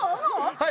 はい。